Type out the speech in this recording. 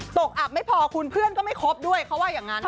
อับไม่พอคุณเพื่อนก็ไม่ครบด้วยเขาว่าอย่างนั้น